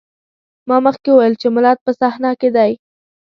ما مخکې وويل چې ملت په صحنه کې دی.